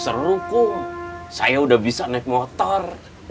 seru kok saya udah bisa naik motor